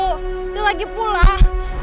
udah lagi pulang